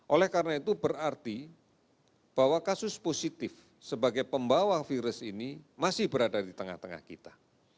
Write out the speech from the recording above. oleh karena itu berarti bahwa kasus positif sebagai pembawa virus ini masih berada di tengah tengah kita